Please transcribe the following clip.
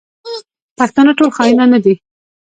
پښتانه ټول خاینان نه دي.